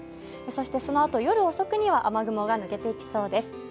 そしてそのあと夜遅くには雨雲が抜けていきそうです。